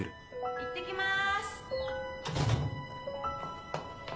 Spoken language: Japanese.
いってきます。